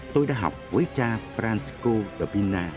tôi đã học với cha francisco de pina